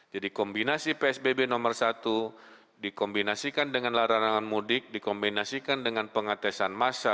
jadi kombinasi psbb nomor satu dikombinasikan dengan larangan mudik dikombinasikan dengan pengatesan massal